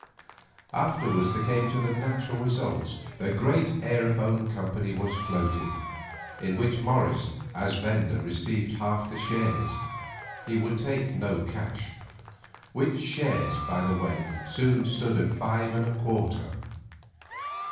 Afterwards came the natural results; the great aerophone company was floated, in which Morris as vendor received half the shares—he would take no cash—which shares, by the way, soon stood at five and a quarter.